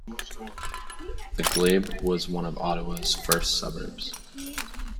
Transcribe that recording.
The Glebe was one of Ottawa's first suburbs.